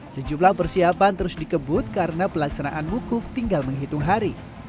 sejumlah persiapan terus dikebut karena pelaksanaan wukuf tinggal menghitung hari